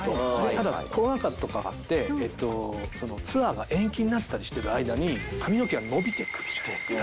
ただコロナ禍とかがあってツアーが延期になったりしている間に髪の毛が伸びてくるじゃないですか。